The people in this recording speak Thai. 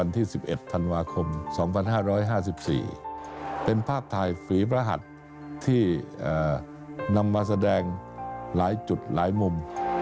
ที่นำมาแสดงหลายจุดหลายมุม